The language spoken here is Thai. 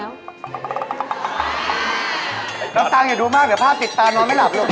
ฟังอย่าดูมากเดี๋ยวภาพปิดตานอนไม่หลับลง